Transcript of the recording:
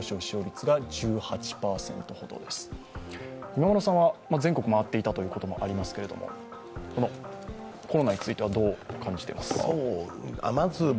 今村さんは全国回っていたということもありますが、コロナについてはどう感じていらっしゃいますか？